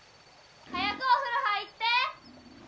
早くお風呂入って！